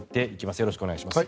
よろしくお願いします。